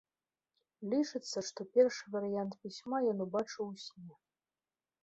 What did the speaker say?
Лічыцца, што першы варыянт пісьма ён убачыў у сне.